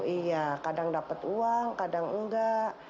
iya kadang dapat uang kadang enggak